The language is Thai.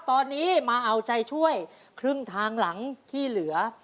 ตอนนี้มาเอาใจช่วยครึ่งทางหลังที่เหลือ